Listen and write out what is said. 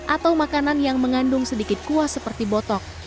atau makanan yang mengandung sedikit kuah seperti botok